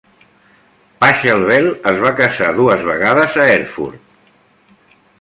Pachelbel es va casar dues vegades a Erfurt.